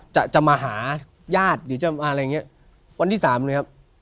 จะมาหาญาติอยู่วันที่สามเลยครับ